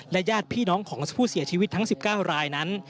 ญาติพี่น้องของผู้เสียชีวิตทั้ง๑๙รายนั้น